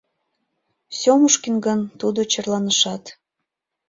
Сёмушкин гын, тудо черланышат.